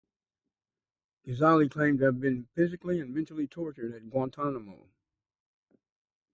Ghezali claimed to have been "physically and mentally tortured" at Guantanamo.